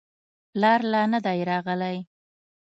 پلار لا نه دی راغلی.